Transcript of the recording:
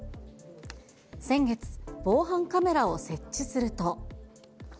先月、防犯カメラを設置すると。